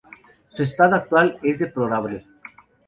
Su estado actual es deplorable.